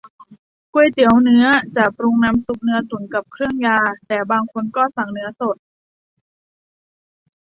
ก๋วยเตี๋ยวเนื้อ จะปรุงน้ำซุปเนื้อตุ๋นกับเครื่องยา แต่บางคนก็สั่งเนื้อสด